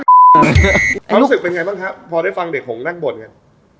คุ้มสึกเป็นไงบ้างครับพอได้ฟังเด็กโหงนั่งบ่น